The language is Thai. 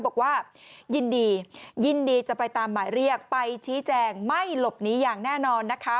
บอกว่ายินดียินดีจะไปตามหมายเรียกไปชี้แจงไม่หลบหนีอย่างแน่นอนนะคะ